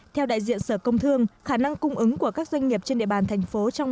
theo đại diện sở công thương khả năng cung ứng của các doanh nghiệp trên địa bàn thành phố trong